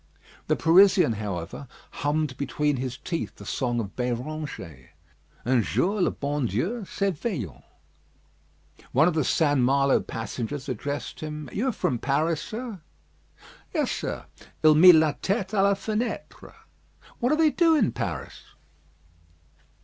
The Parisian, however, hummed between his teeth the song of Béranger "Un jour le bon Dieu s'éveillant." One of the St. Malo passengers addressed him: "You are from Paris, sir?" "Yes, sir. Il mit la tête à la fenêtre." "What do they do in Paris?"